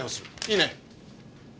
いいね？